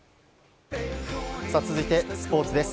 続いて、スポーツです。